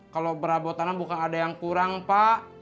kalau perabotanan bukan ada yang kurang pak